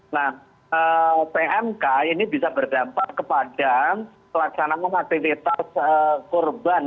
nah pmk ini bisa berdampak kepada pelaksanaan aktivitas korban